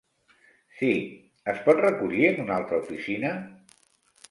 Sí, es pot recollir en una altra oficina?